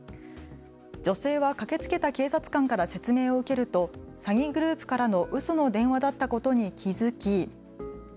女性は駆けつけた警察官から説明を受けると詐欺グループからのうその電話だったことに気付き。